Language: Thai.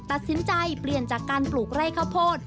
ตัดสินใจเปลี่ยนจากการปลูกไร่ข้าวโพด